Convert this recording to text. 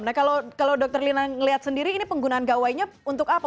nah kalau dokter lina melihat sendiri ini penggunaan gawainya untuk apa